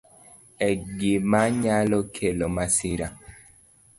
En gima nyalo kelo masira..